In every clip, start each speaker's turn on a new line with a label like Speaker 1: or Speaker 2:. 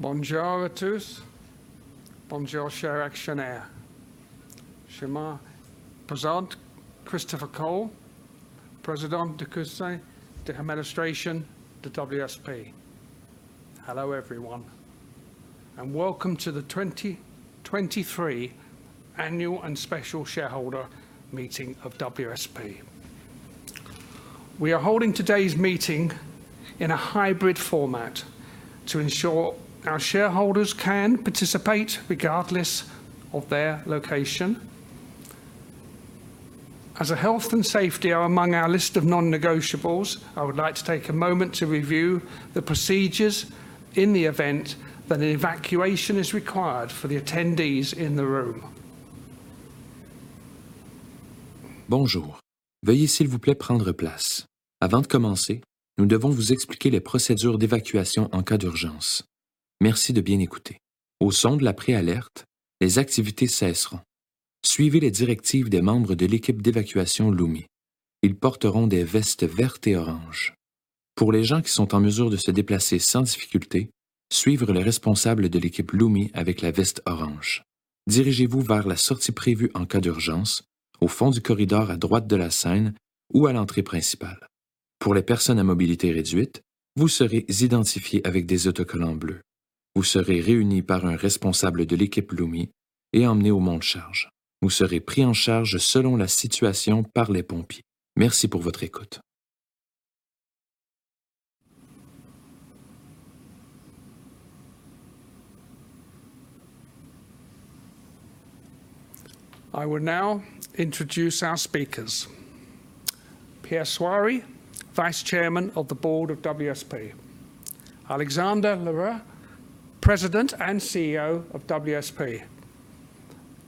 Speaker 1: Bonjour à tous. Bonjour, chers actionnaires. Je me présente, Christopher Cole, Président du conseil d'administration de WSP. Hello everyone, welcome to the 2023 Annual and Special Shareholder Meeting of WSP. We are holding today's meeting in a hybrid format to ensure our shareholders can participate regardless of their location. As a health and safety are among our list of non-negotiables, I would like to take a moment to review the procedures in the event that an evacuation is required for the attendees in the room.
Speaker 2: Bonjour. Veuillez s'il vous plaît prendre place. Avant de commencer, nous devons vous expliquer les procédures d'évacuation en cas d'urgence. Merci de bien écouter. Au son de la préalerte, les activités cesseront. Suivez les directives des membres de l'équipe d'évacuation Lumi. Ils porteront des vestes vertes et orange. Pour les gens qui sont en mesure de se déplacer sans difficulté, suivre le responsable de l'équipe Lumi avec la veste orange. Dirigez-vous vers la sortie prévue en cas d'urgence au fond du corridor, à droite de la scène ou à l'entrée principale. Pour les personnes à mobilité réduite, vous serez identifiés avec des autocollants bleus. Vous serez réunis par un responsable de l'équipe Lumi et emmenés au monte-charge. Vous serez pris en charge selon la situation par les pompiers. Merci pour votre écoute.
Speaker 1: I will now introduce our speakers. Pierre Shoiry, Vice Chairman of the Board of WSP. Alexandre L'Heureux, President and CEO of WSP.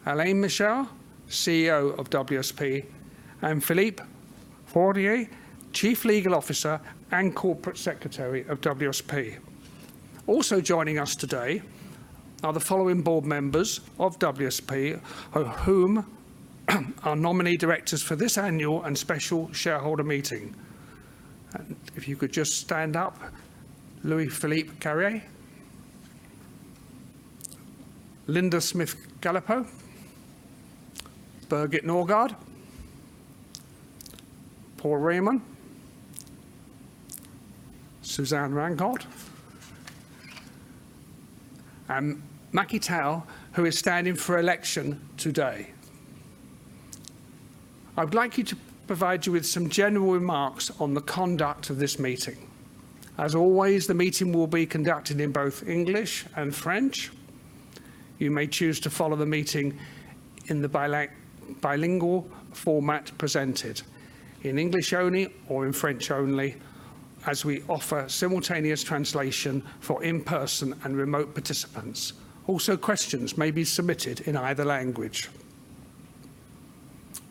Speaker 1: Alain Michaud, CFO of WSP, and Philippe Fortier, Chief Legal Officer and Corporate Secretary of WSP. Also joining us today are the following board members of WSP of whom are nominee directors for this annual and special shareholder meeting. If you could just stand up, Louis-Philippe Carrière. Linda Smith-Galipeau. Birgit Nørgaard. Paul Raymond. Suzanne Rancourt. Macky Tall, who is standing for election today. I would like you to provide you with some general remarks on the conduct of this meeting. As always, the meeting will be conducted in both English and French. You may choose to follow the meeting in the bilingual format presented in English only or in French only as we offer simultaneous translation for in-person and remote participants. Questions may be submitted in either language.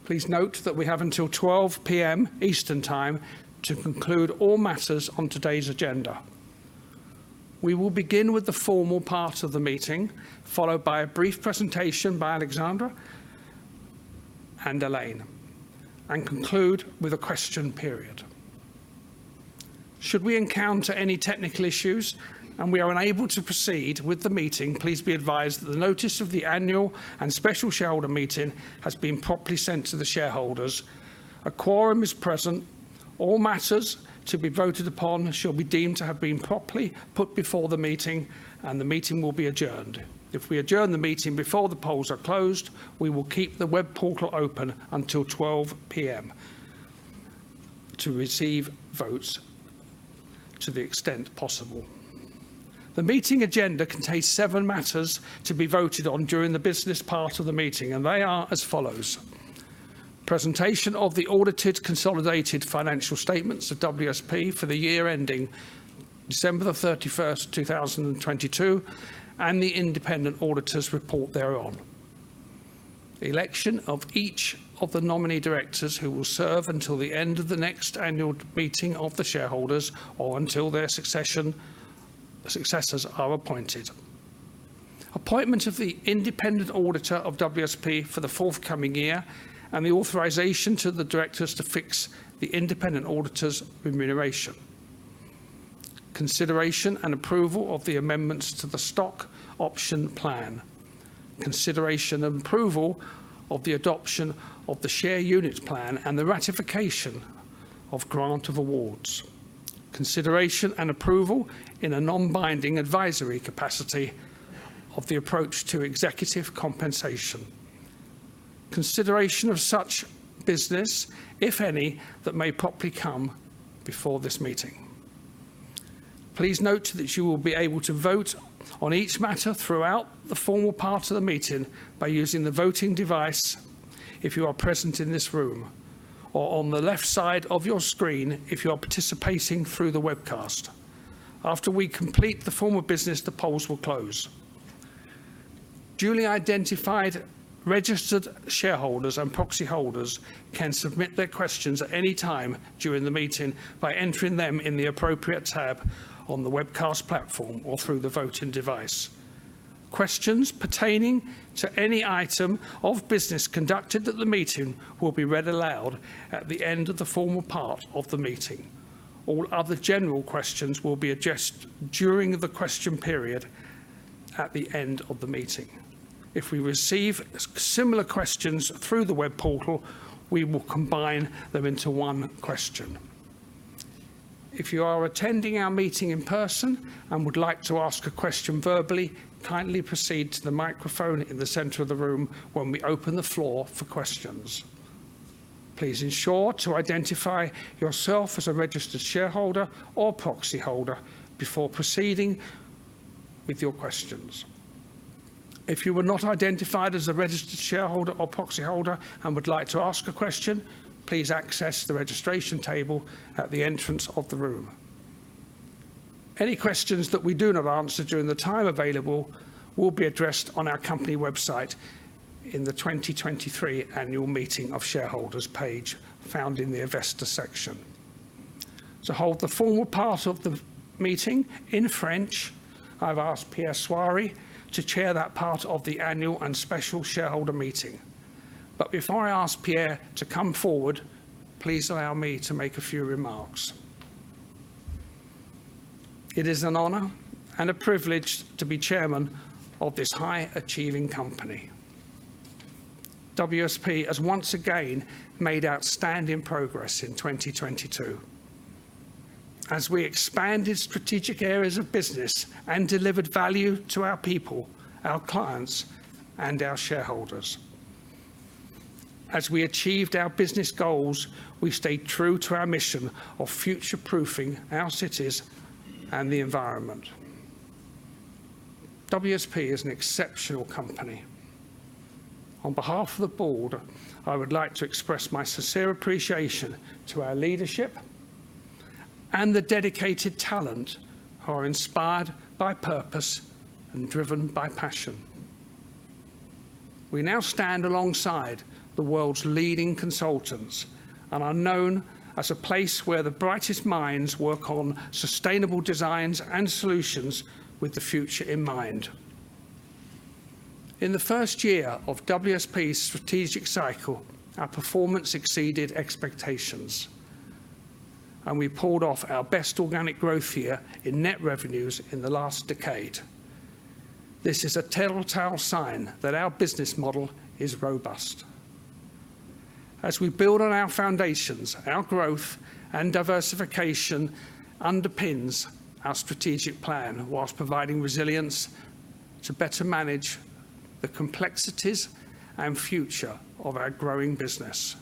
Speaker 1: Please note that we have until 12:00 P.M. Eastern Time to conclude all matters on today's agenda. We will begin with the formal part of the meeting, followed by a brief presentation by Alexandre and Alain, and conclude with a question period. Should we encounter any technical issues and we are unable to proceed with the meeting, please be advised that the notice of the annual and special shareholder meeting has been properly sent to the shareholders. A quorum is present. All matters to be voted upon shall be deemed to have been properly put before the meeting, and the meeting will be adjourned. If we adjourn the meeting before the polls are closed, we will keep the web portal open until 12:00PM to receive votes to the extent possible. The meeting agenda contains seven matters to be voted on during the business part of the meeting, and they are as follows: presentation of the audited consolidated financial statements of WSP for the year ending December 31st, 2022, and the independent auditor's report thereon. Election of each of the nominee directors who will serve until the end of the next annual meeting of the shareholders or until their successors are appointed. Appointment of the independent auditor of WSP for the forthcoming year and the authorization to the directors to fix the independent auditor's remuneration. Consideration and approval of the amendments to the Stock Option Plan. Consideration and approval of the adoption of the Share Unit Plan and the ratification of grant of awards. Consideration and approval in a non-binding advisory capacity of the approach to executive compensation. Consideration of such business, if any, that may properly come before this meeting. Please note that you will be able to vote on each matter throughout the formal part of the meeting by using the voting device if you are present in this room or on the left side of your screen if you are participating through the webcast. After we complete the formal business, the polls will close. Duly identified registered shareholders and proxy holders can submit their questions at any time during the meeting by entering them in the appropriate tab on the webcast platform or through the voting device. Questions pertaining to any item of business conducted at the meeting will be read aloud at the end of the formal part of the meeting. All other general questions will be addressed during the question period at the end of the meeting. If we receive similar questions through the web portal, we will combine them into one question. If you are attending our meeting in person and would like to ask a question verbally, kindly proceed to the microphone in the center of the room when we open the floor for questions. Please ensure to identify yourself as a registered shareholder or proxy holder before proceeding with your questions. If you were not identified as a registered shareholder or proxy holder and would like to ask a question, please access the registration table at the entrance of the room. Any questions that we do not answer during the time available will be addressed on our company website in the 2023 annual meeting of shareholders page found in the investor section. To hold the formal part of the meeting in French, I've asked Pierre Shoiry to chair that part of the annual and special shareholder meeting. Before I ask Pierre to come forward, please allow me to make a few remarks. It is an honor and a privilege to be chairman of this high-achieving company. WSP has once again made outstanding progress in 2022 as we expanded strategic areas of business and delivered value to our people, our clients, and our shareholders. As we achieved our business goals, we stayed true to our mission of future-proofing our cities and the environment. WSP is an exceptional company. On behalf of the Board, I would like to express my sincere appreciation to our leadership and the dedicated talent who are inspired by purpose and driven by passion. We now stand alongside the world's leading consultants and are known as a place where the brightest minds work on sustainable designs and solutions with the future in mind. In the first year of WSP's strategic cycle, our performance exceeded expectations, and we pulled off our best organic growth year in net revenues in the last decade. This is a telltale sign that our business model is robust. As we build on our foundations, our growth and diversification underpins our strategic plan whilst providing resilience to better manage the complexities and future of our growing business.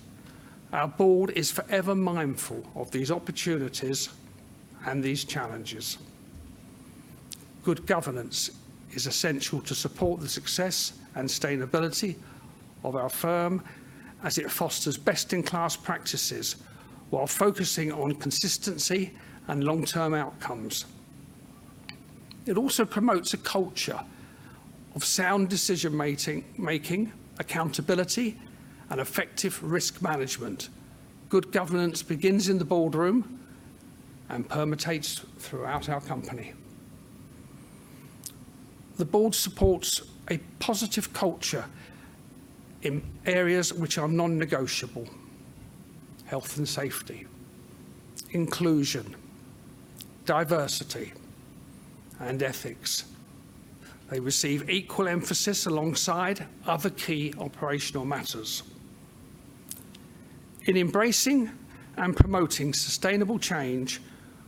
Speaker 1: Our board is forever mindful of these opportunities and these challenges. Good governance is essential to support the success and sustainability of our firm as it fosters best-in-class practices while focusing on consistency and long-term outcomes. It also promotes a culture of sound decision making, accountability, and effective risk management. Good governance begins in the boardroom and permutates throughout our company. The board supports a positive culture in areas which are non-negotiable: health and safety, inclusion, diversity, and ethics. They receive equal emphasis alongside other key operational matters. In embracing and promoting sustainable change,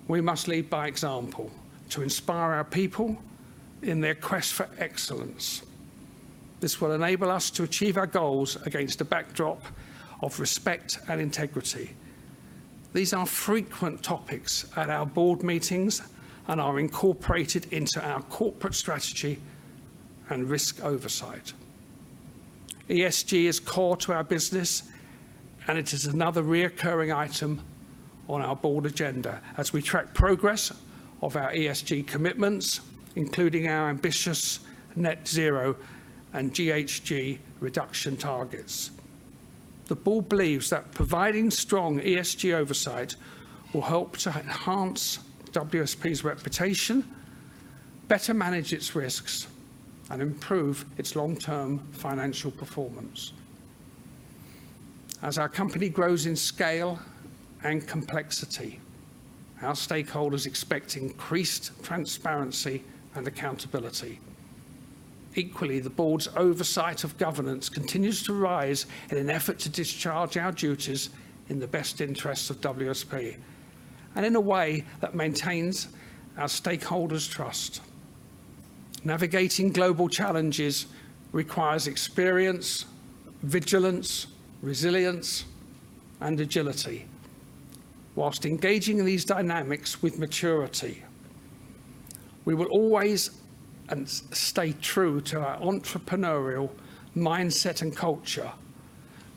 Speaker 1: we must lead by example to inspire our people in their quest for excellence. This will enable us to achieve our goals against a backdrop of respect and integrity. These are frequent topics at our board meetings and are incorporated into our corporate strategy and risk oversight. ESG is core to our business, and it is another reoccurring item on our board agenda as we track progress of our ESG commitments, including our ambitious net zero and GHG reduction targets. The board believes that providing strong ESG oversight will help to enhance WSP's reputation, better manage its risks, and improve its long-term financial performance. As our company grows in scale and complexity, our stakeholders expect increased transparency and accountability. Equally, the board's oversight of governance continues to rise in an effort to discharge our duties in the best interests of WSP and in a way that maintains our stakeholders' trust. Navigating global challenges requires experience, vigilance, resilience, and agility. Whilst engaging in these dynamics with maturity, we will always stay true to our entrepreneurial mindset and culture,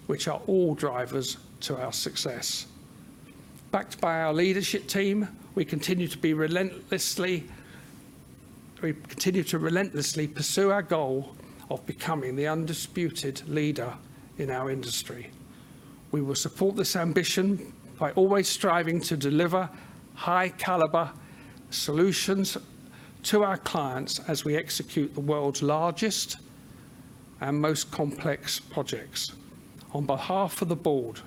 Speaker 1: which are all drivers to our success. Backed by our leadership team, we continue to relentlessly pursue our goal of becoming the undisputed leader in our industry. We will support this ambition by always striving to deliver high-caliber solutions to our clients as we execute the world's largest and most complex projects. On behalf of the board,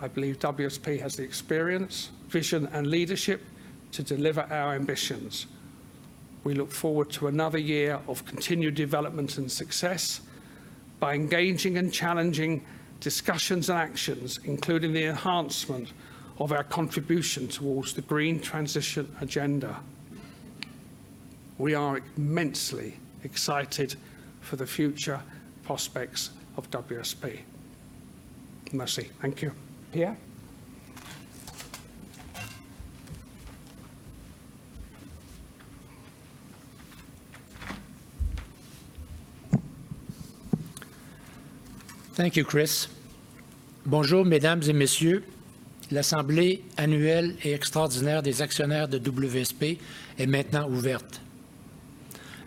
Speaker 1: I believe WSP has the experience, vision, and leadership to deliver our ambitions. We look forward to another year of continued development and success by engaging and challenging discussions and actions, including the enhancement of our contribution towards the green transition agenda. We are immensely excited for the future prospects of WSP. Merci. Thank you. Pierre.
Speaker 3: Thank you, Chris. Bonjour mesdames et messieurs. L'Assemblée annuelle et extraordinaire des actionnaires de WSP est maintenant ouverte.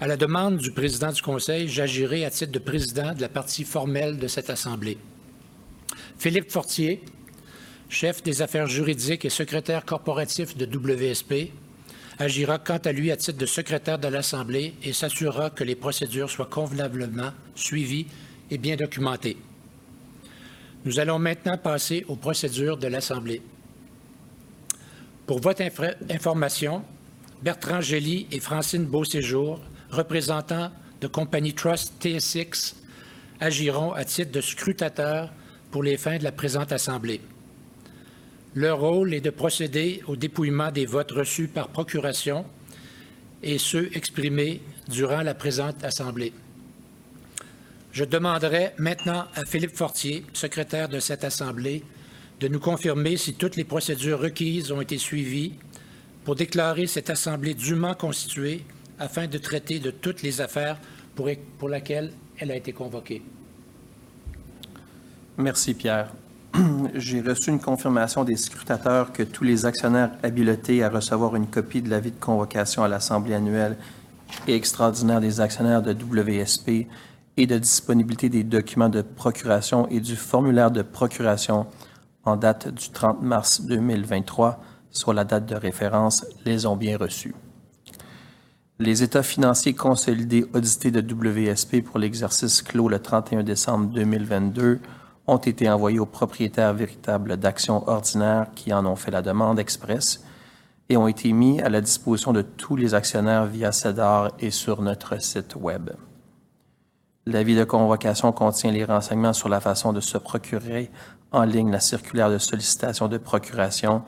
Speaker 3: À la demande du président du conseil, j'agirai à titre de président de la partie formelle de cette assemblée. Philippe Fortier, chef des affaires juridiques et secrétaire corporatif de WSP, agira quant à lui à titre de secrétaire de l'Assemblée et s'assurera que les procédures soient convenablement suivies et bien documentées. Nous allons maintenant passer aux procédures de l'Assemblée. Pour votre information, Bertrand Gely et Francine Beauséjour, représentants de TSX Trust Company, agiront à titre de scrutateurs pour les fins de la présente assemblée. Leur rôle est de procéder au dépouillement des votes reçus par procuration et ceux exprimés durant la présente assemblée. Je demanderais maintenant à Philippe Fortier, secrétaire de cette assemblée, de nous confirmer si toutes les procédures requises ont été suivies pour déclarer cette assemblée dûment constituée afin de traiter de toutes les affaires pour lesquelles elle a été convoquée.
Speaker 4: Merci Pierre. J'ai reçu une confirmation des scrutateurs que tous les actionnaires habilités à recevoir une copie de l'avis de convocation à l'Assemblée annuelle et extraordinaire des actionnaires de WSP et de disponibilité des documents de procuration et du formulaire de procuration en date du 30 mars 2023, soit la date de référence, les ont bien reçus. Les états financiers consolidés audités de WSP pour l'exercice clos le 31 décembre 2022 ont été envoyés aux propriétaires véritables d'actions ordinaires qui en ont fait la demande expresse et ont été mis à la disposition de tous les actionnaires via SEDAR et sur notre site Web. L'avis de convocation contient les renseignements sur la façon de se procurer en ligne la circulaire de sollicitation de procuration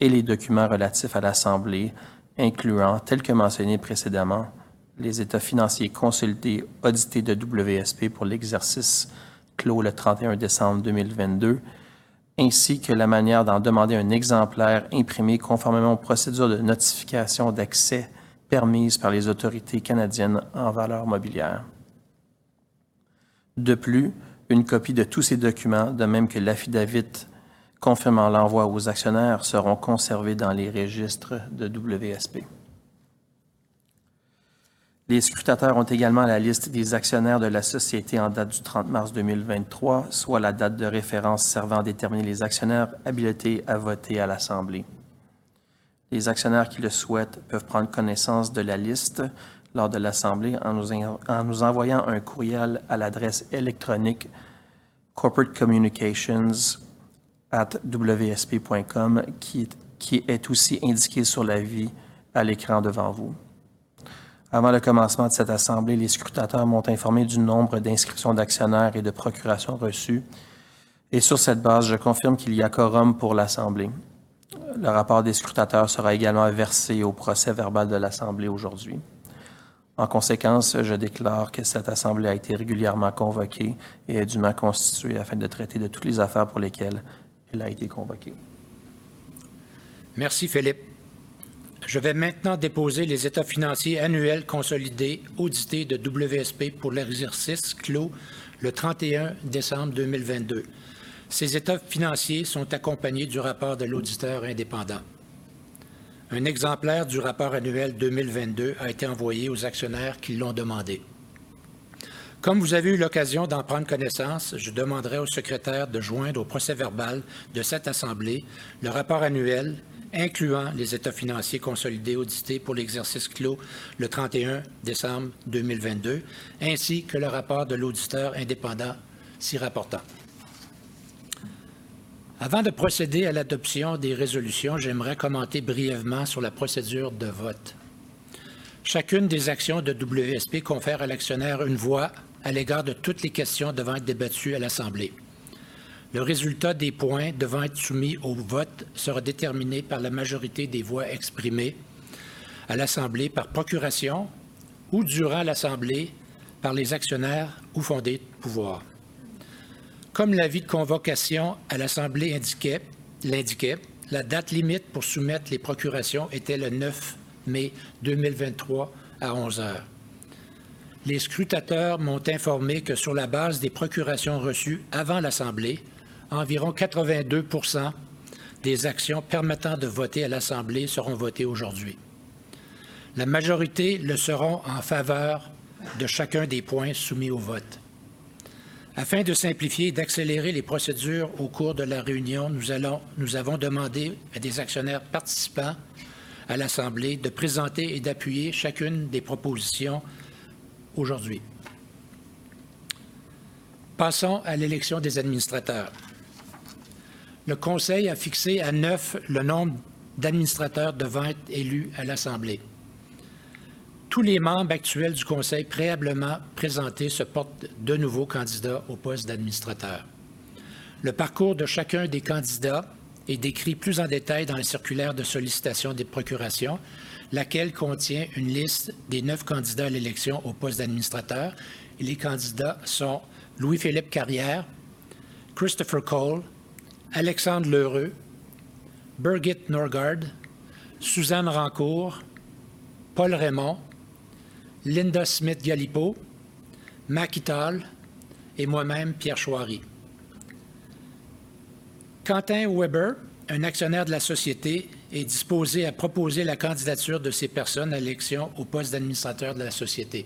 Speaker 4: et les documents relatifs à l'Assemblée incluant, tel que mentionné précédemment, les états financiers consolidés audités de WSP pour l'exercice clos le 31 décembre 2022, ainsi que la manière d'en demander un exemplaire imprimé conformément aux procédures de notification d'accès permises par les autorités canadiennes en valeurs mobilières. Une copie de tous ces documents, de même que l'affidavit confirmant l'envoi aux actionnaires, seront conservés dans les registres de WSP. Les scrutateurs ont également la liste des actionnaires de la société en date du 30 mars 2023, soit la date de référence servant à déterminer les actionnaires habilités à voter à l'Assemblée. Les actionnaires qui le souhaitent peuvent prendre connaissance de la liste lors de l'Assemblée en nous envoyant un courriel à l'adresse électronique corporatecommunications@wsp.com, qui est aussi indiquée sur l'avis à l'écran devant vous. Avant le commencement de cette assemblée, les scrutateurs m'ont informé du nombre d'inscriptions d'actionnaires et de procurations reçues. Sur cette base, je confirme qu'il y a quorum pour l'Assemblée. Le rapport des scrutateurs sera également versé au procès-verbal de l'Assemblée aujourd'hui. Je déclare que cette assemblée a été régulièrement convoquée et est dûment constituée afin de traiter de toutes les affaires pour lesquelles elle a été convoquée.
Speaker 3: Merci Philippe. Je vais maintenant déposer les états financiers annuels consolidés audités de WSP pour l'exercice clos le 31 décembre 2022. Ces états financiers sont accompagnés du rapport de l'auditeur indépendant. Un exemplaire du rapport annuel 2022 a été envoyé aux actionnaires qui l'ont demandé. Comme vous avez eu l'occasion d'en prendre connaissance, je demanderais au secrétaire de joindre au procès-verbal de cette assemblée le rapport annuel incluant les états financiers consolidés audités pour l'exercice clos le 31 décembre 2022, ainsi que le rapport de l'auditeur indépendant s'y rapportant. Avant de procéder à l'adoption des résolutions, j'aimerais commenter brièvement sur la procédure de vote. Chacune des actions de WSP confère à l'actionnaire une voix à l'égard de toutes les questions devant être débattues à l'Assemblée. Le résultat des points devant être soumis au vote sera déterminé par la majorité des voix exprimées à l'Assemblée par procuration ou durant l'Assemblée par les actionnaires ou fondés de pouvoir. Comme l'avis de convocation à l'Assemblée l'indiquait, la date limite pour soumettre les procurations était le 9 mai 2023 à 11:00 A.M. Les scrutateurs m'ont informé que sur la base des procurations reçues avant l'Assemblée, environ 82% des actions permettant de voter à l'Assemblée seront votées aujourd'hui. La majorité le seront en faveur de chacun des points soumis au vote. Afin de simplifier et d'accélérer les procédures au cours de la réunion, nous avons demandé à des actionnaires participants à l'Assemblée de présenter et d'appuyer chacune des propositions aujourd'hui. Passons à l'élection des administrateurs. Le conseil a fixé à neuf le nombre d'administrateurs devant être élus à l'Assemblée. Tous les membres actuels du conseil préalablement présentés se portent de nouveau candidats au poste d'administrateur. Le parcours de chacun des candidats est décrit plus en détail dans la circulaire de sollicitation des procurations, laquelle contient une liste des 9 candidats à l'élection au poste d'administrateur. Les candidats sont Louis-Philippe Carrière, Christopher Cole, Alexandre L'Heureux, Birgit Nørgaard, Suzanne Rancourt, Paul Raymond, Linda Smith-Galipeau, Macky Tall et moi-même, Pierre Shoiry. Quentin Weber, un actionnaire de la société, est disposé à proposer la candidature de ces personnes à l'élection au poste d'administrateur de la société.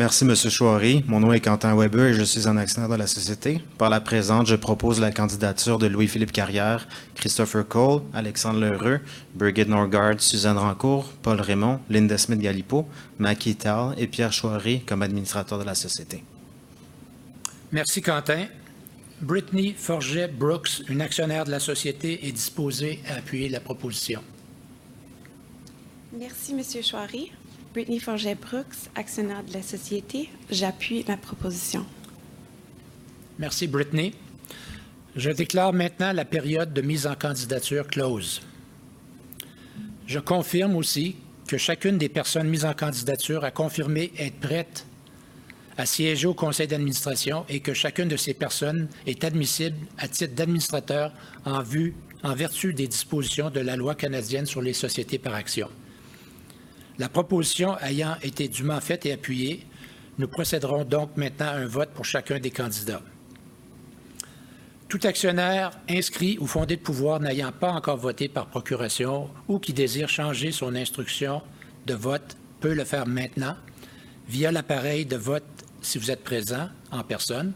Speaker 5: Merci Monsieur Shoiry. Mon nom est Quentin Weber et je suis un actionnaire de la société. Par la présente, je propose la candidature de Louis-Philippe Carrière, Christopher Cole, Alexandre L'Heureux, Birgit Nørgaard, Suzanne Rancourt, Paul Raymond, Linda Smith-Galipeau, Macky Tall et Pierre Shoiry comme administrateurs de la société.
Speaker 3: Merci Quentin. Brittany Forget Brooks, une actionnaire de la société, est disposée à appuyer la proposition.
Speaker 6: Merci Monsieur Shoiry. Brittany Forget Brooks, actionnaire de la société. J'appuie la proposition.
Speaker 3: Merci Brittany. Je déclare maintenant la période de mise en candidature close. Je confirme aussi que chacune des personnes mises en candidature a confirmé être prête à siéger au conseil d'administration et que chacune de ces personnes est admissible à titre d'administrateur en vertu des dispositions de la Loi canadienne sur les sociétés par actions. La proposition ayant été dûment faite et appuyée, nous procéderons donc maintenant à un vote pour chacun des candidats. Tout actionnaire inscrit ou fondé de pouvoir n'ayant pas encore voté par procuration ou qui désire changer son instruction de vote, peut le faire maintenant via l'appareil de vote si vous êtes présent en personne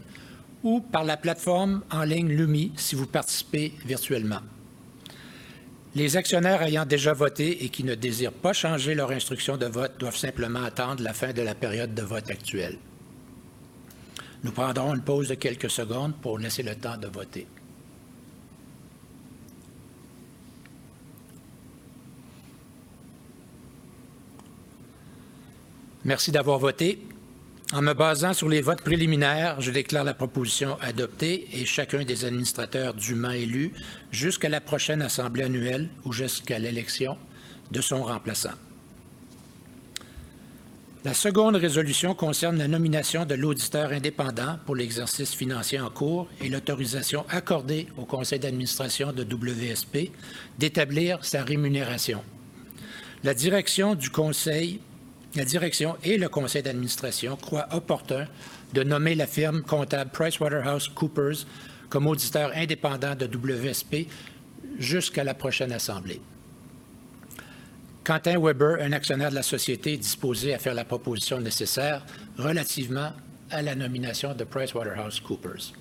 Speaker 3: ou par la plateforme en ligne Lumi si vous participez virtuellement. Les actionnaires ayant déjà voté et qui ne désirent pas changer leur instruction de vote doivent simplement attendre la fin de la période de vote actuelle. Nous prendrons une pause de quelques secondes pour laisser le temps de voter. Merci d'avoir voté. En me basant sur les votes préliminaires, je déclare la proposition adoptée et chacun des administrateurs dûment élus jusqu'à la prochaine assemblée annuelle ou jusqu'à l'élection de son remplaçant. La seconde résolution concerne la nomination de l'auditeur indépendant pour l'exercice financier en cours et l'autorisation accordée au conseil d'administration de WSP d'établir sa rémunération. La direction et le conseil d'administration croient opportun de nommer la firme comptable PricewaterhouseCoopers comme auditeur indépendant de WSP jusqu'à la prochaine assemblée. Quentin Weber, un actionnaire de la société, est disposé à faire la proposition nécessaire relativement à la nomination de PricewaterhouseCoopers.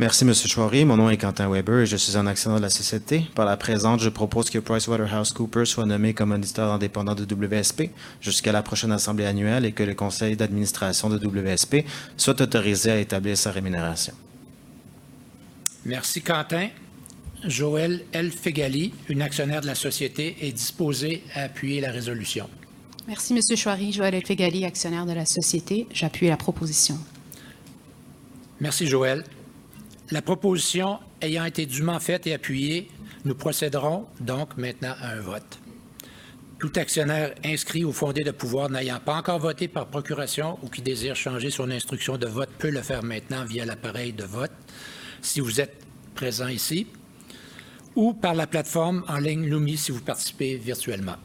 Speaker 5: Merci Monsieur Shoiry. Mon nom est Quentin Weber et je suis un actionnaire de la société. Par la présente, je propose que PricewaterhouseCoopers soit nommée comme auditeur indépendant de WSP jusqu'à la prochaine assemblée annuelle et que le conseil d'administration de WSP soit autorisé à établir sa rémunération.
Speaker 3: Merci Quentin. Joëlle El-Feghali, une actionnaire de la société, est disposée à appuyer la résolution.
Speaker 7: Merci Monsieur Shoiry. Joëlle El-Feghali, actionnaire de la société. J'appuie la proposition.
Speaker 3: Merci Joëlle. La proposition ayant été dûment faite et appuyée, nous procéderons donc maintenant à un vote. Tout actionnaire inscrit ou fondé de pouvoir n'ayant pas encore voté par procuration ou qui désire changer son instruction de vote, peut le faire maintenant via l'appareil de vote si vous êtes présent ici ou par la plateforme en ligne Lumi si vous participez virtuellement.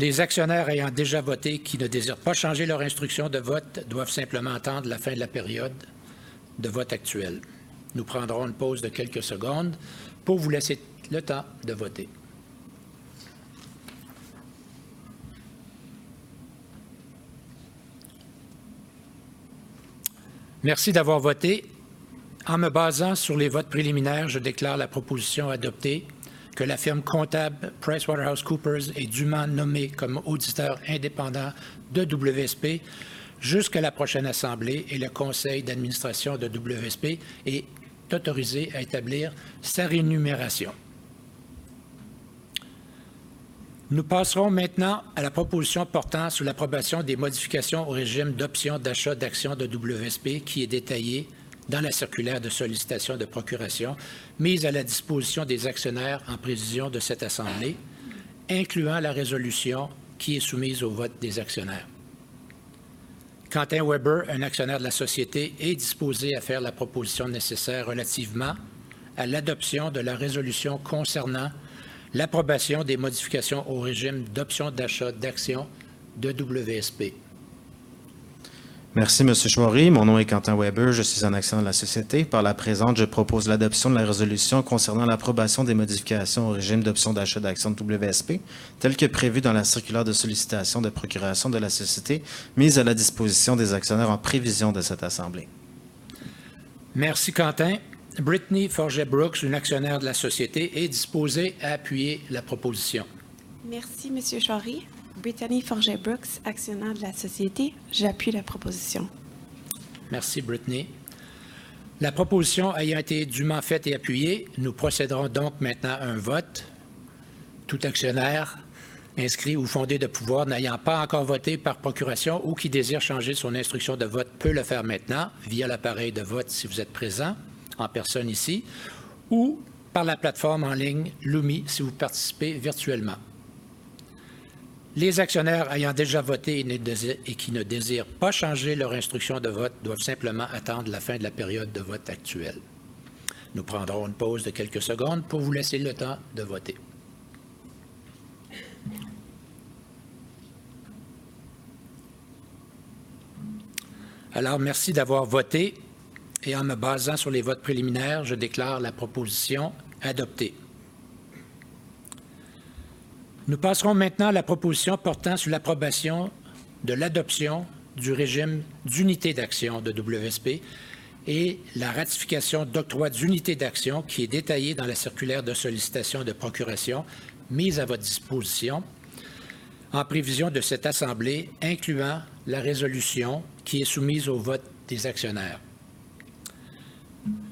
Speaker 3: Les actionnaires ayant déjà voté, qui ne désirent pas changer leur instruction de vote, doivent simplement attendre la fin de la période de vote actuelle. Nous prendrons une pause de quelques secondes pour vous laisser le temps de voter. Merci d'avoir voté. En me basant sur les votes préliminaires, je déclare la proposition adoptée, que la firme comptable PricewaterhouseCoopers est dûment nommée comme auditeur indépendant de WSP jusqu'à la prochaine assemblée et le conseil d'administration de WSP est autorisé à établir sa rémunération. Nous passerons maintenant à la proposition portant sur l'approbation des modifications au régime d'options d'achat d'actions de WSP, qui est détaillée dans la circulaire de sollicitation de procurations mise à la disposition des actionnaires en prévision de cette assemblée, incluant la résolution qui est soumise au vote des actionnaires. Quentin Weber, un actionnaire de la société, est disposé à faire la proposition nécessaire relativement à l'adoption de la résolution concernant l'approbation des modifications au régime d'options d'achat d'actions de WSP.
Speaker 5: Merci Monsieur Chouinard. Mon nom est Quentin Weber, je suis un actionnaire de la société. Par la présente, je propose l'adoption de la résolution concernant l'approbation des modifications au régime d'option d'achat d'actions de WSP, tel que prévu dans la circulaire de sollicitation de procuration de la Société mise à la disposition des actionnaires en prévision de cette assemblée.
Speaker 3: Merci Quentin. Brittany Forget Brooks, une actionnaire de la société, est disposée à appuyer la proposition.
Speaker 6: Merci Monsieur Chouinard. Brittany Forget Brooks, actionnaire de la société. J'appuie la proposition.
Speaker 3: Merci Brittany. La proposition ayant été dûment faite et appuyée, nous procéderons donc maintenant à un vote. Tout actionnaire inscrit ou fondé de pouvoir n'ayant pas encore voté par procuration ou qui désire changer son instruction de vote peut le faire maintenant via l'appareil de vote si vous êtes présent en personne ici ou par la plateforme en ligne Lumi si vous participez virtuellement. Les actionnaires ayant déjà voté et qui ne désirent pas changer leur instruction de vote doivent simplement attendre la fin de la période de vote actuelle. Nous prendrons une pause de quelques secondes pour vous laisser le temps de voter. Merci d'avoir voté et en me basant sur les votes préliminaires, je déclare la proposition adoptée. Nous passerons maintenant à la proposition portant sur l'approbation de l'adoption du régime d'unités d'actions de WSP et la ratification d'octroi d'unités d'actions qui est détaillée dans la circulaire de sollicitation de procuration mise à votre disposition en prévision de cette assemblée, incluant la résolution qui est soumise au vote des actionnaires.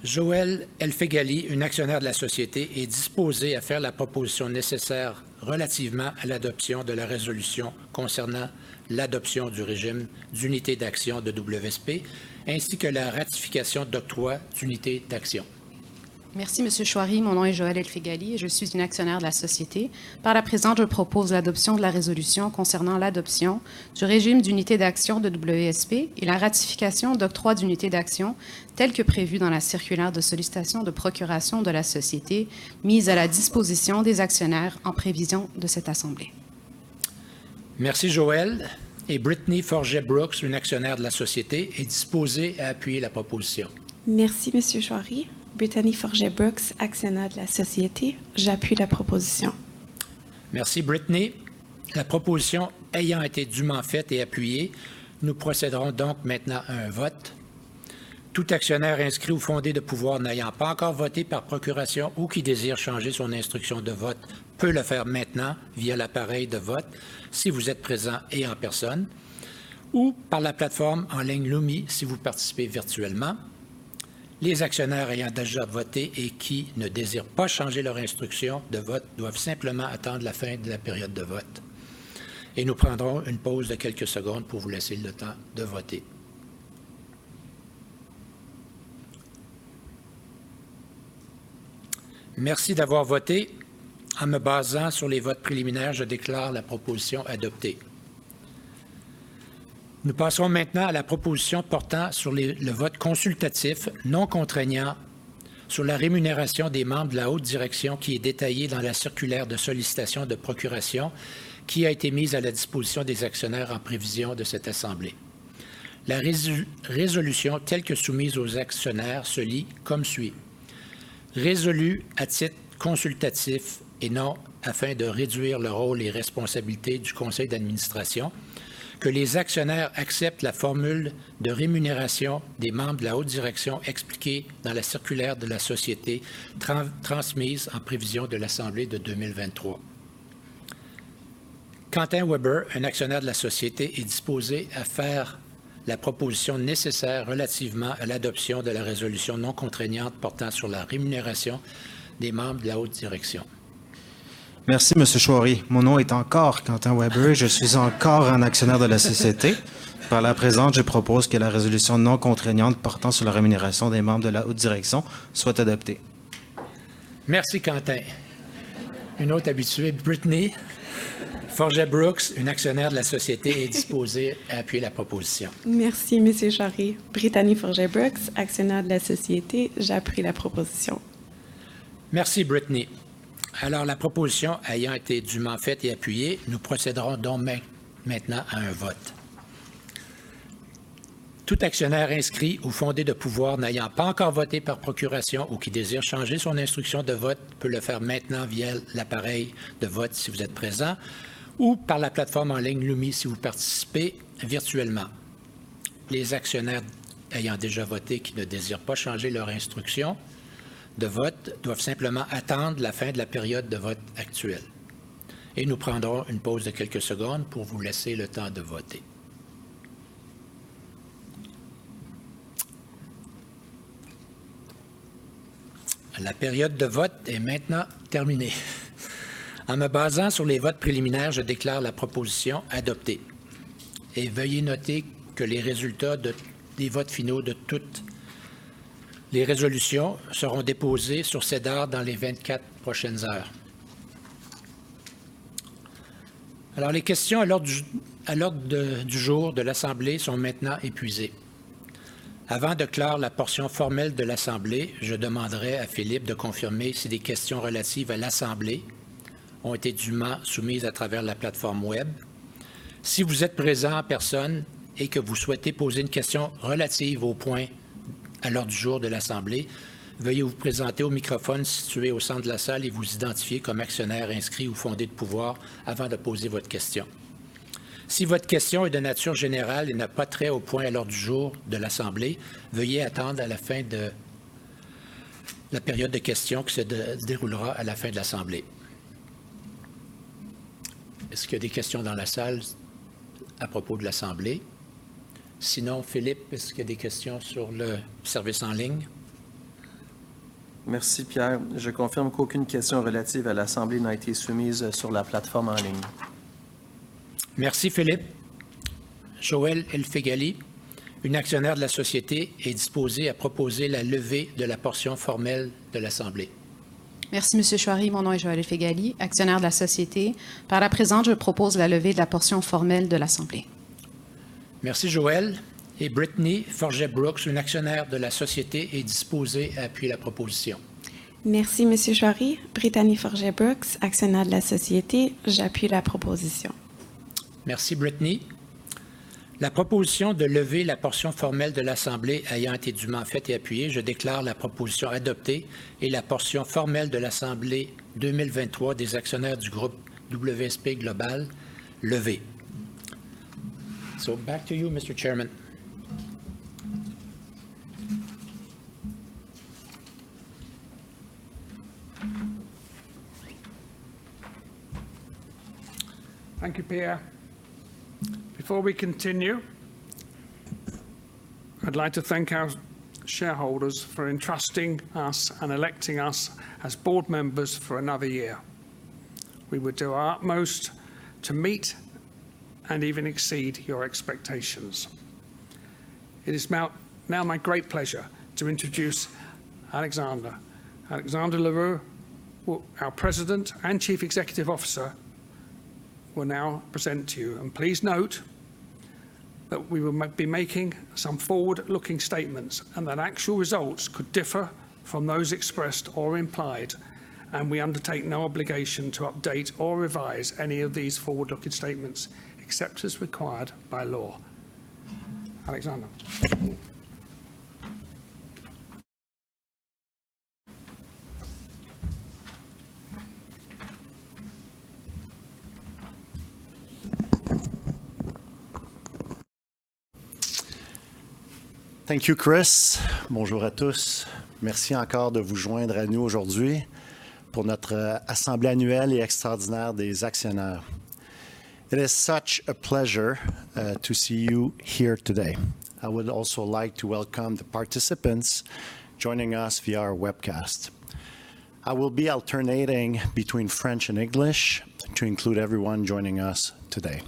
Speaker 3: Joëlle El-Feghali, une actionnaire de la société, est disposée à faire la proposition nécessaire relativement à l'adoption de la résolution concernant l'adoption du régime d'unités d'actions de WSP ainsi que la ratification d'octroi d'unités d'actions.
Speaker 7: Merci Monsieur Chouinard. Mon nom est Joëlle El-Feghali. Je suis une actionnaire de la société. Par la présente, je propose l'adoption de la résolution concernant l'adoption du régime d'unités d'actions de WSP et la ratification d'octroi d'unités d'actions tel que prévu dans la circulaire de sollicitation de procuration de la société mise à la disposition des actionnaires en prévision de cette assemblée.
Speaker 3: Merci Joëlle. Brittany Forget Brooks, une actionnaire de la société, est disposée à appuyer la proposition.
Speaker 6: Merci Monsieur Chouinard. Brittany Forget Brooks, actionnaire de la société. J'appuie la proposition.
Speaker 3: Merci Brittany. La proposition ayant été dûment faite et appuyée, nous procéderons donc maintenant à un vote. Tout actionnaire inscrit ou fondé de pouvoir n'ayant pas encore voté par procuration ou qui désire changer son instruction de vote peut le faire maintenant via l'appareil de vote si vous êtes présent et en personne ou par la plateforme en ligne Lumi si vous participez virtuellement. Les actionnaires ayant déjà voté et qui ne désirent pas changer leur instruction de vote doivent simplement attendre la fin de la période de vote. Nous prendrons une pause de quelques secondes pour vous laisser le temps de voter. Merci d'avoir voté. En me basant sur les votes préliminaires, je déclare la proposition adoptée. Nous passons maintenant à la proposition portant sur le vote consultatif non contraignant sur la rémunération des membres de la haute direction qui est détaillée dans la circulaire de sollicitation de procuration qui a été mise à la disposition des actionnaires en prévision de cette assemblée. La résolution telle que soumise aux actionnaires se lit comme suit: Résolu à titre consultatif et non afin de réduire le rôle et responsabilités du conseil d'administration, que les actionnaires acceptent la formule de rémunération des membres de la haute direction expliquée dans la circulaire de la société transmise en prévision de l'assemblée de 2023. Quentin Weber, un actionnaire de la société, est disposé à faire la proposition nécessaire relativement à l'adoption de la résolution non contraignante portant sur la rémunération des membres de la haute direction.
Speaker 5: Merci Monsieur Chouinard. Mon nom est encore Quentin Weber. Je suis encore un actionnaire de la société. Par la présente, je propose que la résolution non contraignante portant sur la rémunération des membres de la haute direction soit adoptée.
Speaker 3: Merci Quentin. Une autre habituée, Brittany Forget Brooks, une actionnaire de la société, est disposée à appuyer la proposition.
Speaker 6: Merci Monsieur Chouinard. Brittany Forget Brooks, actionnaire de la société. J'appuie la proposition.
Speaker 3: Merci Brittany. Alors la proposition ayant été dûment faite et appuyée, nous procéderons donc maintenant à un vote. Tout actionnaire inscrit ou fondé de pouvoir n'ayant pas encore voté par procuration ou qui désire changer son instruction de vote peut le faire maintenant via l'appareil de vote si vous êtes présent ou par la plateforme en ligne Lumi si vous participez virtuellement. Les actionnaires ayant déjà voté qui ne désirent pas changer leur instruction de vote doivent simplement attendre la fin de la période de vote actuelle. Nous prendrons une pause de quelques secondes pour vous laisser le temps de voter. La période de vote est maintenant terminée. En me basant sur les votes préliminaires, je déclare la proposition adoptée. Veuillez noter que les résultats des votes finaux de toutes les résolutions seront déposés sur SEDAR dans les 24 prochaines heures. Alors, les questions à l'ordre du jour de l'assemblée sont maintenant épuisées. Avant de clore la portion formelle de l'assemblée, je demanderais à Philippe de confirmer si des questions relatives à l'assemblée ont été dûment soumises à travers la plateforme web. Si vous êtes présent en personne et que vous souhaitez poser une question relative au point à l'ordre du jour de l'assemblée, veuillez vous présenter au microphone situé au centre de la salle et vous identifier comme actionnaire inscrit ou fondé de pouvoir avant de poser votre question. Si votre question est de nature générale et n'a pas trait au point à l'ordre du jour de l'assemblée, veuillez attendre à la fin de la période de questions qui se déroulera à la fin de l'assemblée. Est-ce qu'il y a des questions dans la salle à propos de l'assemblée? Sinon, Philippe, est-ce qu'il y a des questions sur le service en ligne?
Speaker 4: Merci Pierre. Je confirme qu'aucune question relative à l'assemblée n'a été soumise sur la plateforme en ligne.
Speaker 3: Merci Philippe. Joelle El-Feghali, une actionnaire de la société, est disposée à proposer la levée de la portion formelle de l'assemblée.
Speaker 7: Merci Monsieur Chouinard. Mon nom est Joëlle El-Feghali, actionnaire de la société. Par la présente, je propose la levée de la portion formelle de l'assemblée.
Speaker 3: Merci Joëlle. Brittany Forget Brooks, une actionnaire de la société, est disposée à appuyer la proposition.
Speaker 6: Merci Monsieur Chouinard. Brittany Forget Brooks, actionnaire de la société, j'appuie la proposition.
Speaker 3: Merci Brittany. La proposition de lever la portion formelle de l'assemblée ayant été dûment faite et appuyée, je déclare la proposition adoptée et la portion formelle de l'assemblée 2023 des actionnaires du groupe WSP Global levée. Back to you, Mister Chairman.
Speaker 1: Thank you, Pierre Shoiry. Before we continue, I'd like to thank our shareholders for entrusting us and electing us as board members for another year. We will do our utmost to meet and even exceed your expectations. It is now my great pleasure to introduce Alexandre. Alexandre L'Heureux, our President and Chief Executive Officer, will now present to you. Please note that we will be making some forward-looking statements and that actual results could differ from those expressed or implied and we undertake no obligation to update or revise any of these forward-looking statements except as required by law. Alexandre.
Speaker 8: Thank you Chris. Bonjour à tous. Merci encore de vous joindre à nous aujourd'hui pour notre assemblée annuelle et extraordinaire des actionnaires. It is such a pleasure to see you here today. I would also like to welcome the participants joining us via our webcast. I will be alternating between French and English to include everyone joining us today.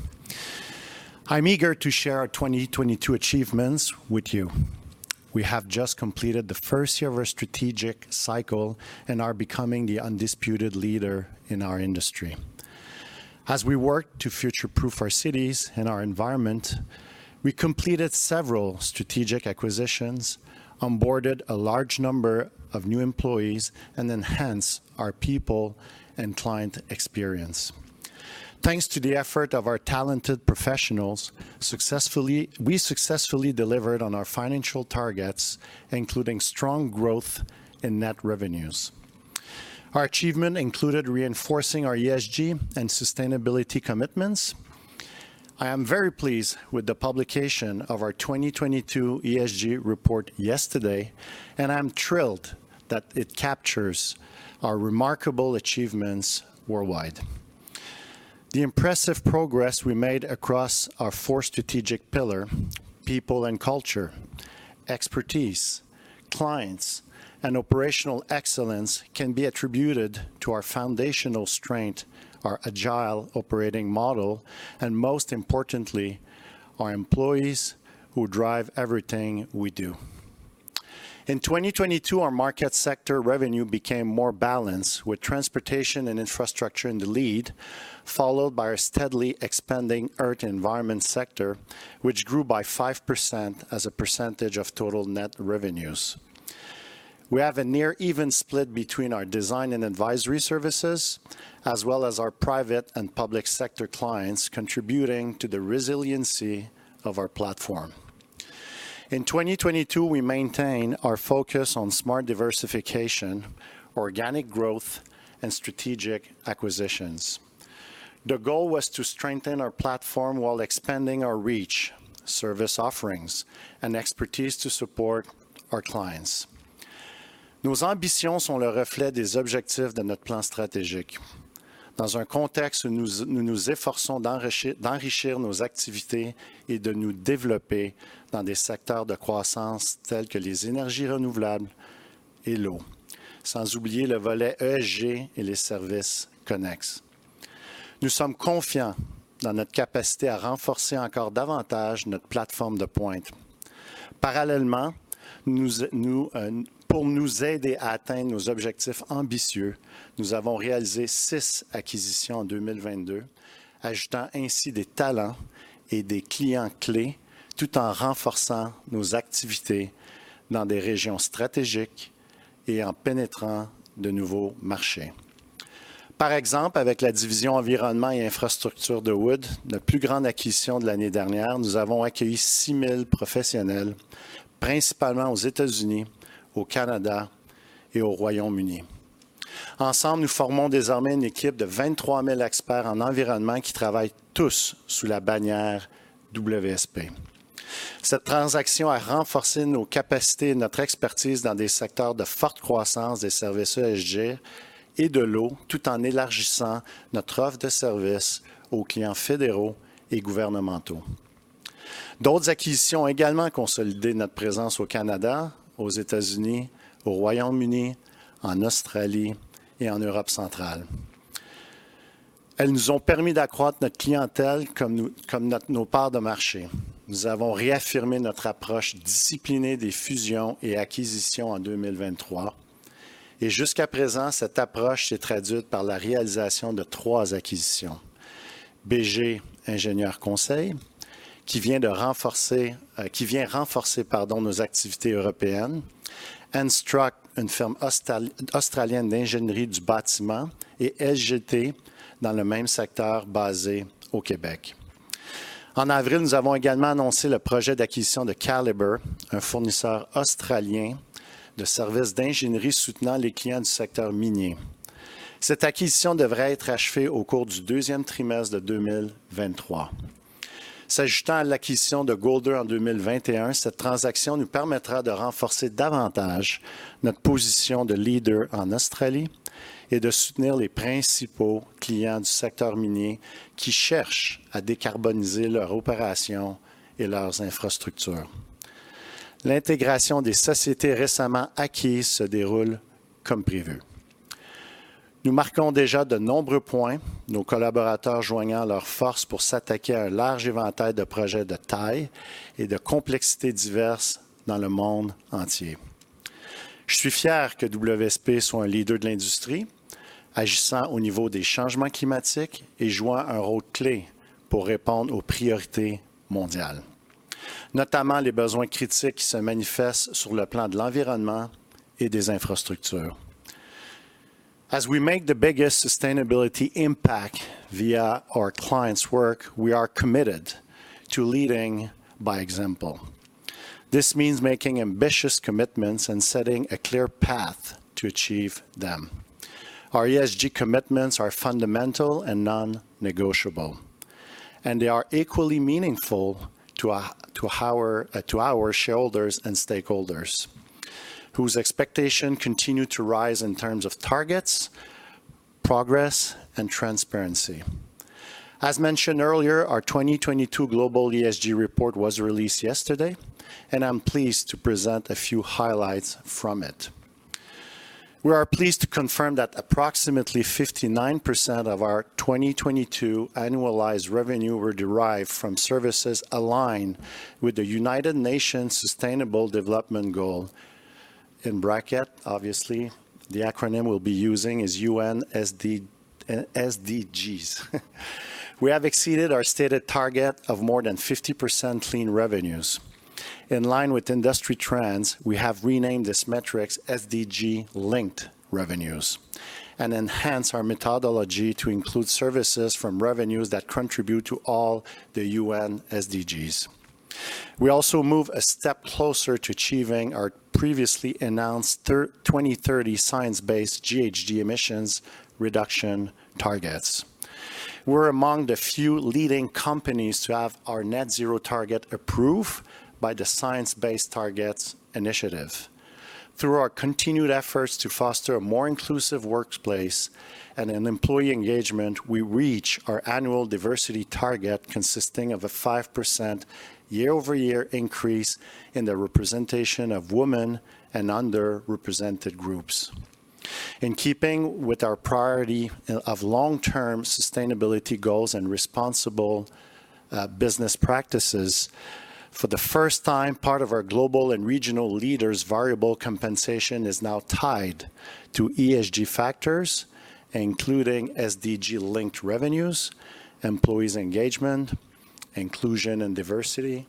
Speaker 8: I'm eager to share our 2022 achievements with you. We have just completed the first year of our strategic cycle and are becoming the undisputed leader in our industry. As we work to future-proof our cities and our environment, we completed several strategic acquisitions, onboarded a large number of new employees and enhanced our people and client experience. Thanks to the effort of our talented professionals, we successfully delivered on our financial targets, including strong growth in net revenues. Our achievement included reinforcing our ESG and sustainability commitments. I am very pleased with the publication of our 2022 ESG report yesterday. I am thrilled that it captures our remarkable achievements worldwide. The impressive progress we made across our four strategic pillar, people and culture, expertise, clients and operational excellence can be attributed to our foundational strength, our agile operating model. Most importantly, our employees who drive everything we do. In 2022, our market sector revenue became more balanced with transportation and infrastructure in the lead, followed by our steadily expanding earth environment sector, which grew by 5% as a percentage of total net revenues. We have a near even split between our design and advisory services, as well as our private and public sector clients contributing to the resiliency of our platform. In 2022, we maintain our focus on smart diversification, organic growth and strategic acquisitions. The goal was to strengthen our platform while expanding our reach, service offerings and expertise to support our clients. Nos ambitions sont le reflet des objectifs de notre plan stratégique. Dans un contexte où nous nous efforçons d'enrichir nos activités et de nous développer dans des secteurs de croissance tels que les énergies renouvelables et l'eau. Sans oublier le volet ESG et les services connexes. Nous sommes confiants dans notre capacité à renforcer encore davantage notre plateforme de pointe. Parallèlement pour nous aider à atteindre nos objectifs ambitieux, nous avons réalisé six acquisitions en 2022, ajoutant ainsi des talents et des clients clés tout en renforçant nos activités dans des régions stratégiques et en pénétrant de nouveaux marchés. Par exemple, avec la division environnement et infrastructure de Wood, notre plus grande acquisition de l'année dernière, nous avons accueilli 6,000 professionnels, principalement aux U.S., au Canada et au U.K. Ensemble, nous formons désormais une équipe de 23,000 experts en environnement qui travaillent tous sous la bannière WSP. Cette transaction a renforcé nos capacités et notre expertise dans des secteurs de forte croissance des services ESG et de l'eau, tout en élargissant notre offre de services aux clients fédéraux et gouvernementaux. D'autres acquisitions ont également consolidé notre présence au Canada, aux États-Unis, au Royaume-Uni, en Australie et en Europe centrale. Elles nous ont permis d'accroître notre clientèle comme notre nos parts de marché. Nous avons réaffirmé notre approche disciplinée des fusions et acquisitions en 2023 et jusqu'à présent, cette approche s'est traduite par la réalisation de trois acquisitions. BG Ingénieurs Conseils, qui vient renforcer, pardon, nos activités européennes. Enstruct, une firme australienne d'ingénierie du bâtiment et SGT dans le même secteur basé au Québec. En avril, nous avons également annoncé le projet d'acquisition de Calibre, un fournisseur australien de services d'ingénierie soutenant les clients du secteur minier. Cette acquisition devrait être achevée au cours du deuxième trimestre de 2023. S'ajoutant à l'acquisition de Golder en 2021, cette transaction nous permettra de renforcer davantage notre position de leader en Australie et de soutenir les principaux clients du secteur minier qui cherchent à décarboniser leurs opérations et leurs infrastructures. L'intégration des sociétés récemment acquises se déroule comme prévu. Nous marquons déjà de nombreux points, nos collaborateurs joignant leurs forces pour s'attaquer à un large éventail de projets de taille et de complexité diverses dans le monde entier. Je suis fier que WSP soit un leader de l'industrie agissant au niveau des changements climatiques et jouant un rôle clé pour répondre aux priorités mondiales, notamment les besoins critiques qui se manifestent sur le plan de l'environnement et des infrastructures. As we make the biggest sustainability impact via our clients' work, we are committed to leading by example. This means making ambitious commitments and setting a clear path to achieve them. Our ESG commitments are fundamental and non-negotiable, and they are equally meaningful to our shareholders and stakeholders whose expectation continue to rise in terms of targets, progress and transparency. As mentioned earlier, our 2022 Global ESG Report was released yesterday and I'm pleased to present a few highlights from it. We are pleased to confirm that approximately 59% of our 2022 annualized revenue were derived from services aligned with the United Nations Sustainable Development Goal. In bracket, obviously, the acronym we'll be using is SDGs. We have exceeded our stated target of more than 50% Clean Revenues. In line with industry trends, we have renamed this metrics SDG-Linked Revenues and enhanced our methodology to include services from revenues that contribute to all the UN SDGs. We also move a step closer to achieving our previously announced 2030 science-based GHG emissions reduction targets. We're among the few leading companies to have our net zero target approved by the Science Based Targets initiative. Through our continued efforts to foster a more inclusive workplace and an employee engagement, we reach our annual diversity target, consisting of a 5% year-over-year increase in the representation of women and underrepresented groups. In keeping with our priority of long-term sustainability goals and responsible business practices, for the first time, part of our global and regional leaders' variable compensation is now tied to ESG factors, including SDG-linked revenues, employees engagement, inclusion and diversity,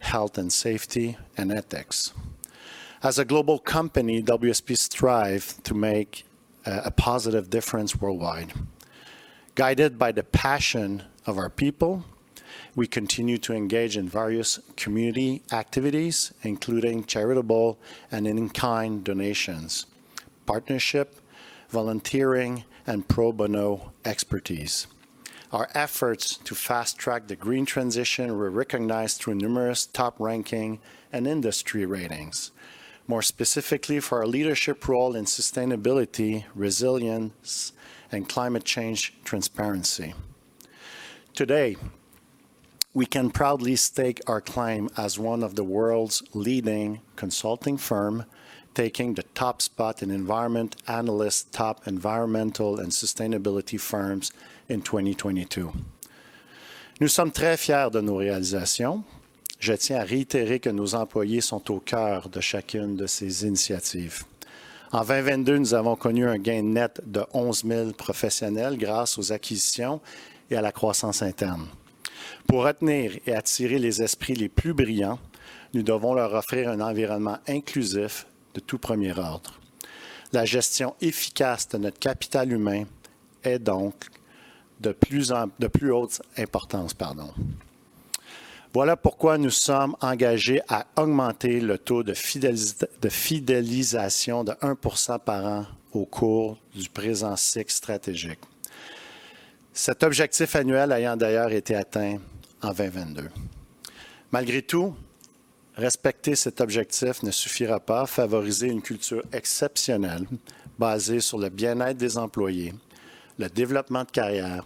Speaker 8: health and safety, and ethics. As a global company, WSP strive to make a positive difference worldwide. Guided by the passion of our people, we continue to engage in various community activities, including charitable and in-kind donations, partnership, volunteering and pro bono expertise. Our efforts to fast-track the green transition were recognized through numerous top ranking and industry ratings, more specifically for our leadership role in sustainability, resilience and climate change transparency. Today, we can proudly stake our claim as one of the world's leading consulting firm, taking the top spot in Environment Analyst Top Environmental and Sustainability Firms in 2022.Nous sommes très fiers de nos réalisations. Je tiens à réitérer que nos employés sont au cœur de chacune de ces initiatives. En 2022, nous avons connu un gain net de 11,000 professionnels grâce aux acquisitions et à la croissance interne. Pour retenir et attirer les esprits les plus brillants, nous devons leur offrir un environnement inclusif de tout premier ordre. La gestion efficace de notre capital humain est donc de plus haute importance, pardon. Voilà pourquoi nous sommes engagés à augmenter le taux de fidélisation de 1% par an au cours du présent cycle stratégique. Cet objectif annuel ayant d'ailleurs été atteint en 2022. Malgré tout, respecter cet objectif ne suffira pas à favoriser une culture exceptionnelle basée sur le bien-être des employés, le développement de carrière,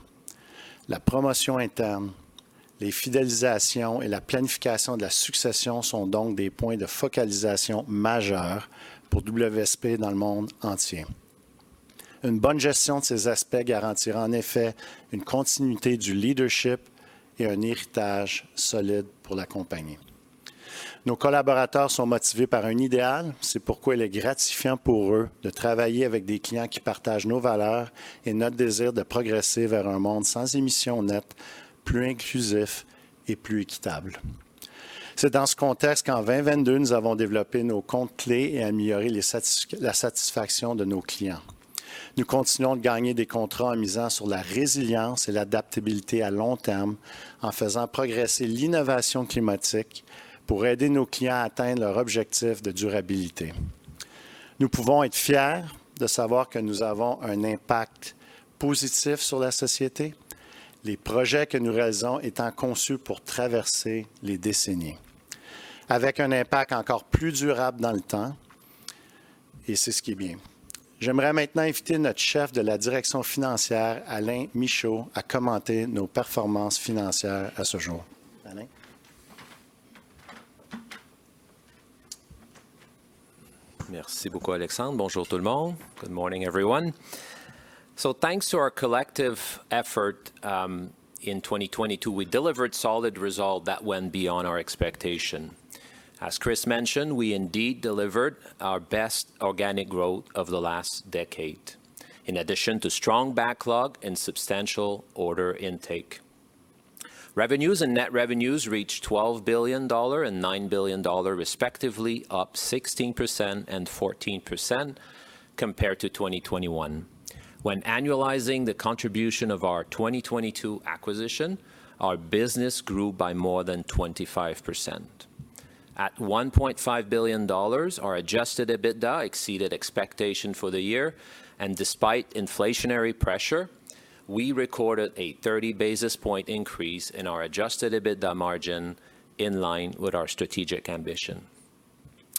Speaker 8: la promotion interne, les fidélisations et la planification de la succession sont donc des points de focalisation majeurs pour WSP dans le monde entier. Une bonne gestion de ces aspects garantira en effet une continuité du leadership et un héritage solide pour la compagnie. Nos collaborateurs sont motivés par un idéal. C'est pourquoi il est gratifiant pour eux de travailler avec des clients qui partagent nos valeurs et notre désir de progresser vers un monde sans émission nette, plus inclusif et plus équitable. C'est dans ce contexte qu'en 2022, nous avons développé nos comptes clés et amélioré la satisfaction de nos clients. Nous continuons de gagner des contrats en misant sur la résilience et l'adaptabilité à long terme, en faisant progresser l'innovation climatique pour aider nos clients à atteindre leur objectif de durabilité. Nous pouvons être fiers de savoir que nous avons un impact positif sur la société. Les projets que nous réalisons étant conçus pour traverser les décennies avec un impact encore plus durable dans le temps. C'est ce qui est bien. J'aimerais maintenant inviter notre Chef de la Direction Financière, Alain Michaud, à commenter nos performances financières à ce jour. Alain?
Speaker 9: Merci beaucoup Alexandre. Bonjour tout le monde. Good morning everyone. Thanks to our collective effort, in 2022, we delivered solid result that went beyond our expectation. As Chris mentioned, we indeed delivered our best organic growth of the last decade. In addition to strong backlog and substantial order intake. Revenues and net revenues reached $12 billion and $9 billion, respectively, up 16% and 14% compared to 2021. When annualizing the contribution of our 2022 acquisition, our business grew by more than 25%. At 1.5 billion dollars, our Adjusted EBITDA exceeded expectation for the year and despite inflationary pressure, we recorded a 30 basis point increase in our Adjusted EBITDA margin in line with our strategic ambition.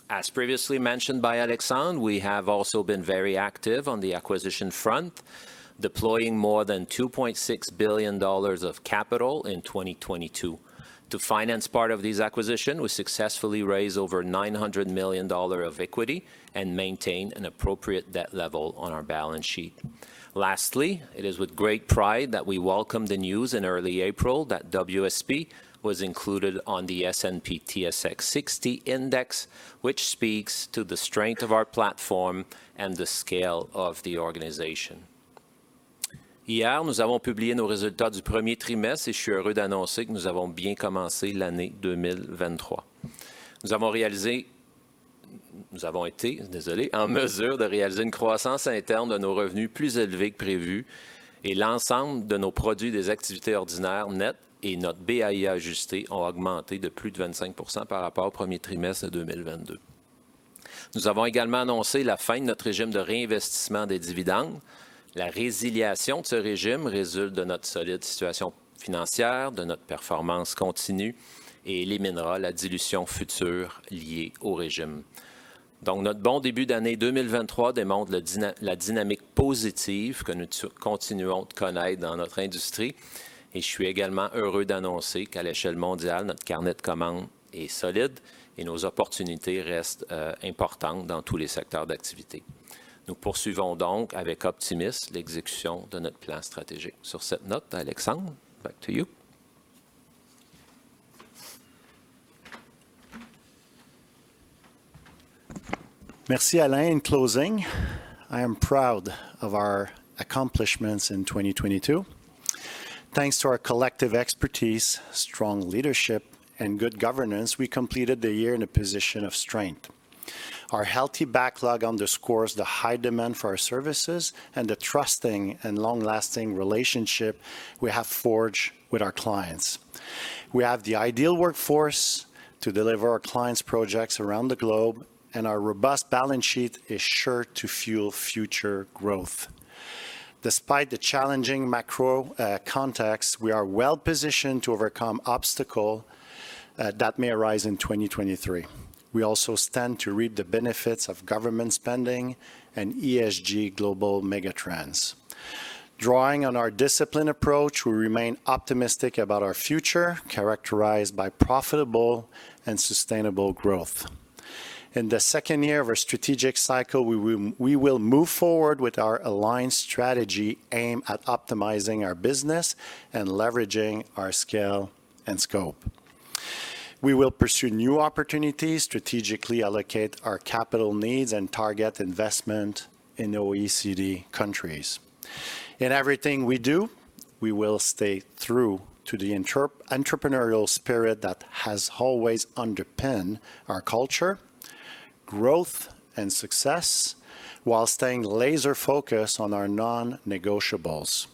Speaker 9: As previously mentioned by Alexandre, we have also been very active on the acquisition front, deploying more than 2.6 billion dollars of capital in 2022. To finance part of these acquisitions, we successfully raised over 900 million dollar of equity and maintained an appropriate debt level on our balance sheet. Lastly, it is with great pride that we welcome the news in early April that WSP was included on the S&P/TSX 60 Index, which speaks to the strength of our platform and the scale of the organization. Hier, nous avons publié nos résultats du premier trimestre et je suis heureux d'annoncer que nous avons bien commencé l'année 2023. Nous avons été, désolé, en mesure de réaliser une croissance interne de nos revenus plus élevée que prévue et l'ensemble de nos produits des activités ordinaires nettes et notre BAI ajusté ont augmenté de plus de 25% par rapport au premier trimestre 2022. Nous avons également annoncé la fin de notre régime de réinvestissement des dividendes. La résiliation de ce régime résulte de notre solide situation financière, de notre performance continue et éliminera la dilution future liée au régime. Notre bon début d'année 2023 démontre la dynamique positive que nous continuons de connaître dans notre industrie. Je suis également heureux d'annoncer qu'à l'échelle mondiale, notre carnet de commandes est solide et nos opportunités restent importantes dans tous les secteurs d'activité. Nous poursuivons donc avec optimisme l'exécution de notre plan stratégique. Sur cette note, Alexandre, back to you.
Speaker 8: Merci Alain. In closing, I am proud of our accomplishments in 2022. Thanks to our collective expertise, strong leadership and good governance, we completed the year in a position of strength. Our healthy backlog underscores the high demand for our services and the trusting and long-lasting relationship we have forged with our clients. We have the ideal workforce to deliver our clients' projects around the globe, and our robust balance sheet is sure to fuel future growth. Despite the challenging macro context, we are well positioned to overcome obstacle that may arise in 2023. We also stand to reap the benefits of government spending and ESG global megatrends. Drawing on our disciplined approach, we remain optimistic about our future characterized by profitable and sustainable growth. In the second year of our strategic cycle, we will move forward with our aligned strategy aimed at optimizing our business and leveraging our scale and scope. We will pursue new opportunities, strategically allocate our capital needs, and target investment in OECD countries. In everything we do, we will stay true to the entrepreneurial spirit that has always underpinned our culture, growth, and success while staying laser focused on our non-negotiables: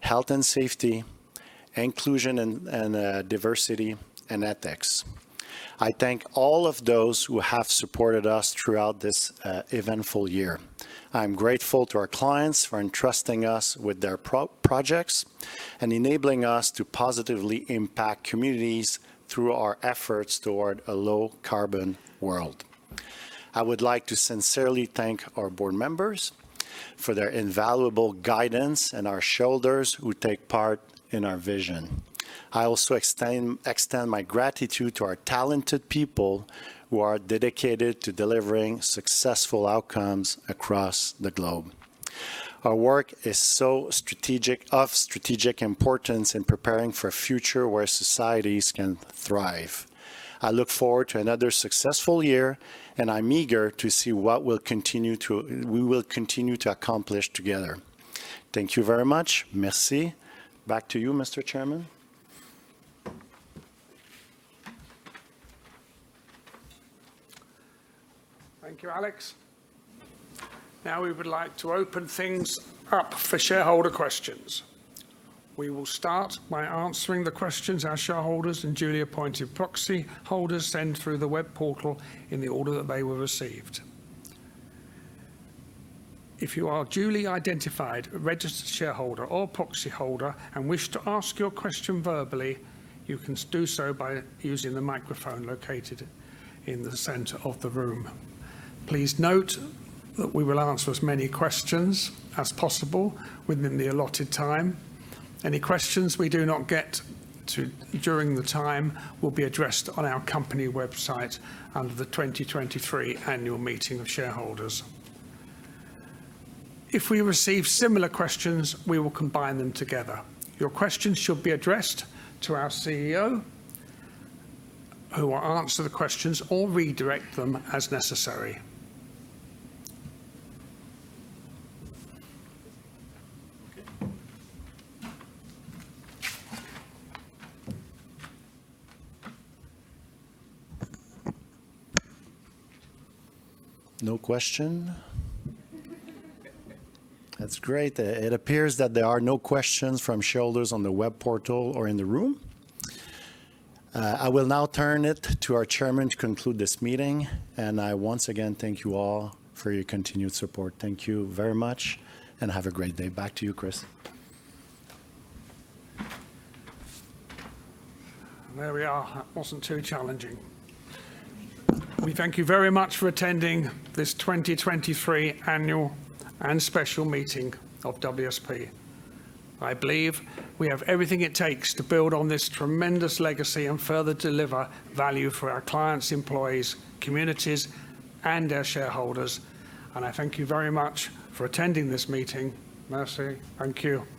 Speaker 8: health and safety, inclusion and diversity, and ethics. I thank all of those who have supported us throughout this eventful year. I'm grateful to our clients for entrusting us with their projects and enabling us to positively impact communities through our efforts toward a low-carbon world. I would like to sincerely thank our board members for their invaluable guidance and our shareholders who take part in our vision. I also extend my gratitude to our talented people who are dedicated to delivering successful outcomes across the globe. Our work is of strategic importance in preparing for a future where societies can thrive. I look forward to another successful year, and I'm eager to see what we will continue to accomplish together. Thank you very much. Merci. Back to you, Mr. Chairman.
Speaker 1: Thank you, Alex. Now we would like to open things up for shareholder questions. We will start by answering the questions our shareholders and duly appointed proxy holders send through the web portal in the order that they were received. If you are a duly identified registered shareholder or proxy holder and wish to ask your question verbally, you can do so by using the microphone located in the center of the room. Please note that we will answer as many questions as possible within the allotted time. Any questions we do not get to during the time will be addressed on our company website under the 2023 annual meeting of shareholders. If we receive similar questions, we will combine them together. Your questions should be addressed to our CEO, who will answer the questions or redirect them as necessary.
Speaker 8: No question? That's great. It appears that there are no questions from shareholders on the web portal or in the room. I will now turn it to our Chairman to conclude this meeting, and I once again thank you all for your continued support. Thank you very much and have a great day. Back to you, Chris.
Speaker 1: There we are. That wasn't too challenging. We thank you very much for attending this 2023 Annual and Special Meeting of WSP. I believe we have everything it takes to build on this tremendous legacy and further deliver value for our clients, employees, communities, and our shareholders. I thank you very much for attending this meeting. Merci. Thank you